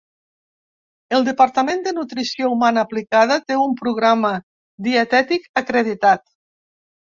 El Departament de Nutrició Humana Aplicada té un programa dietètic acreditat.